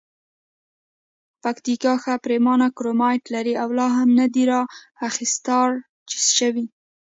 پکتیکا ښه پریمانه کرومایټ لري او لا هم ندي را اختسراج شوي.